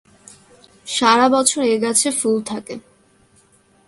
সারা বছর এ গাছে ফুল থাকে।